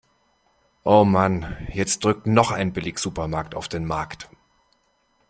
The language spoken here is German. Oh Mann, jetzt drückt noch ein Billigsupermarkt auf den Markt.